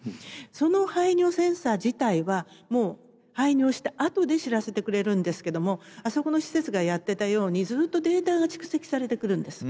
その排尿センサー自体はもう排尿したあとで知らせてくれるんですけどもあそこの施設がやってたようにずっとデータが蓄積されてくるんです。